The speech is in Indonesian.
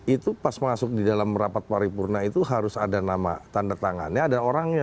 itu pas masuk di dalam rapat paripurna itu harus ada nama tanda tangannya ada orangnya